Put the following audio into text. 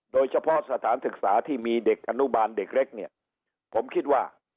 สถานศึกษาที่มีเด็กอนุบาลเด็กเล็กเนี่ยผมคิดว่า